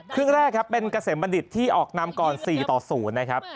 ครึ่งแรกครับเป็นเกษมบัณฑิตที่ออกนำก่อน๔ต่อ๐นะครับ